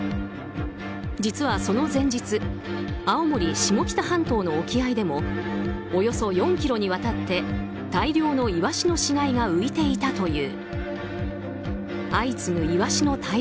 実はその前日青森・下北半島の沖合でもおよそ４ｋｍにわたって大量のイワシの死骸が浮いていたという。